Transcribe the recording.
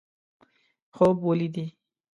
خوب ولیدي.